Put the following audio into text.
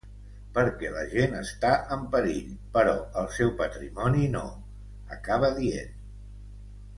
Perquè la gent està en perill, però el seu patrimoni no, acaba dient.